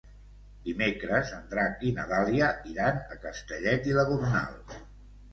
Dimecres en Drac i na Dàlia iran a Castellet i la Gornal.